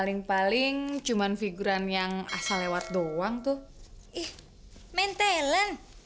sampai jumpa di video selanjutnya